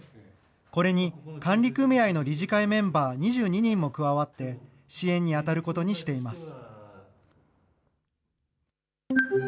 これに管理組合の理事会メンバー２２人も加わって、支援に当たることにしています。